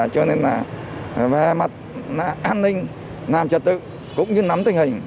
cho nên là về mặt an ninh nam trật tự cũng như nắm tình hình